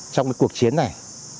trong cái cuộc chiến này